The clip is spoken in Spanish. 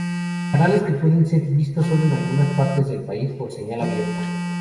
Canales que pueden ser vistos solo en algunas partes del país por señal abierta.